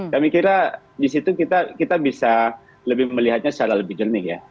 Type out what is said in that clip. kami kira di situ kita bisa lebih melihatnya secara lebih jernih ya